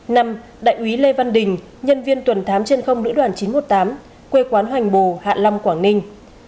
năm đại úy lê văn đình nhân viên tuần thám trên không lữ đoàn chín trăm một mươi tám quê quán hoành bồ hạ long quảng ninh